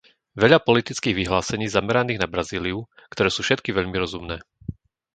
Veľa politických vyhlásení zameraných na Brazíliu, ktoré sú všetky veľmi rozumné.